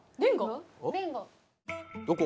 どこ？